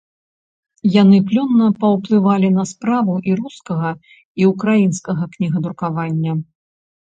Яны плённа паўплывалі на справу і рускага, і ўкраінскага кнігадрукавання.